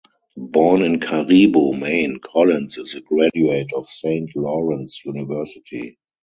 Born in Caribou, Maine, Collins is a graduate of Saint Lawrence University.